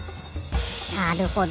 なるほど。